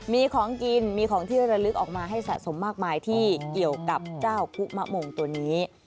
มีของกินมีของที่ระลึกออกมาให้สะสมมากมายที่เกี่ยวกับเจ้าคุมะมงตัวนี้